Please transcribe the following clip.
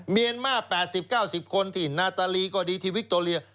เมียนมาร์๘๐๙๐คนที่นาตาลีก็ดีที่วิคโตเรีย